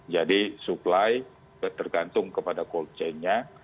jadi supply tergantung kepada cold chain nya